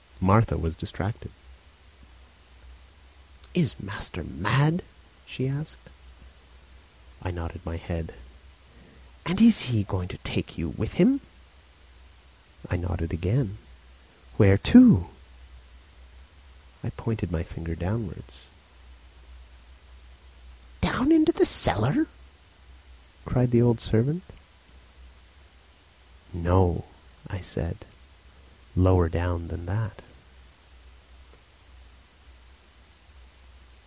Martha was distracted. "Is master mad?" she asked. I nodded my head. "And is he going to take you with him?" I nodded again. "Where to?" I pointed with my finger downward. "Down into the cellar?" cried the old servant. "No," I said. "Lower down than that."